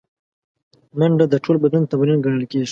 منډه د ټول بدن تمرین ګڼل کېږي